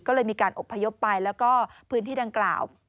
ก็เลยมีการอบพยพไปแล้วก็พื้นที่ดังกล่าว